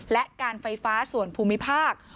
และการไฟฟ้าส่วนภูมิภาค